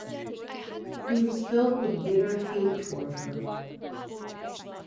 He was filled with bitter hate toward her.